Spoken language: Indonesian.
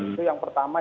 itu yang pertama